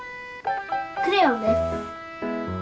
クレヨンです。